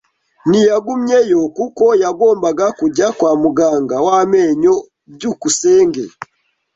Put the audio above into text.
Ntiyagumyeyo kuko yagombaga kujya kwa muganga w’amenyo. byukusenge